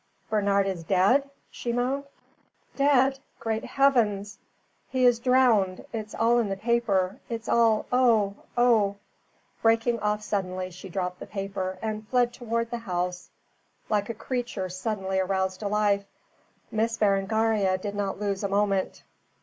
"Bernard is dead!" she moaned. "Dead! Great Heavens!" "He is drowned. It's all in the paper. It's all Oh oh!" Breaking off suddenly she dropped the paper, and fled towards the house like a creature suddenly aroused to life. Miss Berengaria did not lose a moment.